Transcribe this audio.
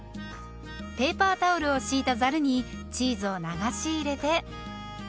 ペーパータオルを敷いたざるにチーズを流し入れて。